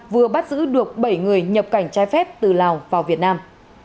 vừa bắt giữ được bảy người nhập cảnh trái phép từ lào vào việt nam